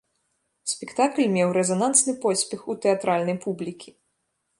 Спектакль меў рэзанансны поспех у тэатральнай публікі.